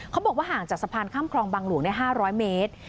เขาบอกว่าห่างจากสะพานข้ามคลองบางหลวง๕๐๐เมตร